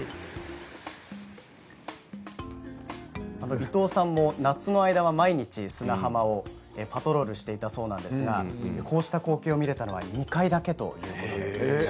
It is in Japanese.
伊藤さんも夏の間は毎日砂浜をパトロールしていたそうなんですがこうした光景を見られたのは２回目ということです。